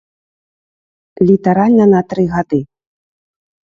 Літаральна на тры гады.